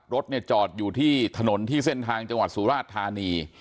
รถเนี่ยจอดอยู่ที่ถนนที่เส้นทางจังหวัดสุราชธานี